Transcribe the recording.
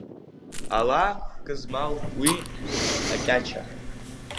Ала гызмал, уи акьача.